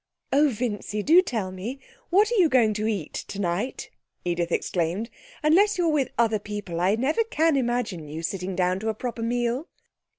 'Oh, Vincy, do tell me what are you going to eat tonight?' Edith exclaimed. 'Unless you're with other people I can never imagine you sitting down to a proper meal.'